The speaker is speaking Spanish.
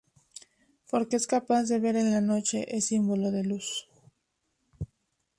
Porque es capaz de ver en la noche, es símbolo de luz.